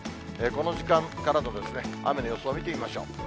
この時間からの雨の予想を見てみましょう。